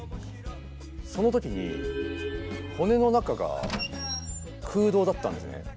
その時に骨の中が空洞だったんですね。